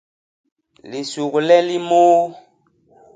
Lisugle li môô .